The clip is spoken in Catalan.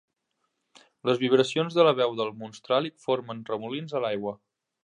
Les vibracions de la veu del Monstràl·lic formen remolins a l'aigua.